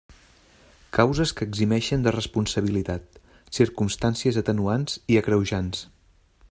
Causes que eximeixen de responsabilitat: circumstàncies atenuants i agreujants.